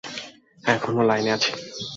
এখনও লাইনে আছি।